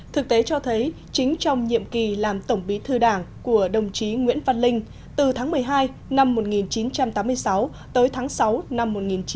thực tế cho thấy chính trong nhiệm kỳ làm tổng bí thư đảng của đồng chí nguyễn văn linh từ tháng một mươi hai năm một nghìn chín trăm tám mươi sáu tới tháng sáu năm một nghìn chín trăm bảy mươi